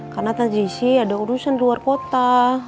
karena tante jesse ada urusan di luar kota